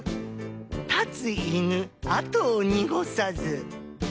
「立つ犬跡を濁さず」。